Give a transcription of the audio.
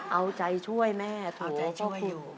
เอาใจช่วยแม่ถูกพ่อคุณ